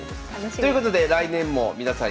ということで来年も皆さん。